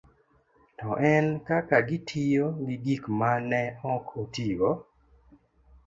to en kaka gitiyo gi gik ma ne ok otigo.